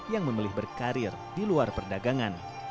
yang memilih berkarir di luar perdagangan